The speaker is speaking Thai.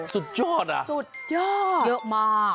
สุดยอดอ่ะสุดยอดเยอะมาก